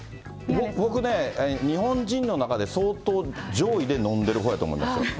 僕ね、日本人の中で相当、上位で飲んでるほうやと思いますよ。